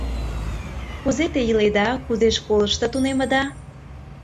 — Кузе те иледа, кузе школышто тунемыда?